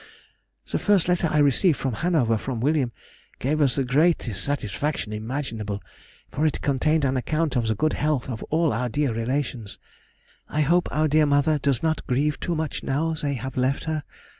The first letter I received from Hanover from William gave us the greatest satisfaction imaginable, for it contained an account of the good health of all our dear relations. I hope our dear mother does not grieve too much now they have left her.